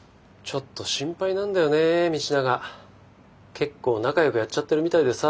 結構仲よくやっちゃってるみたいでさ。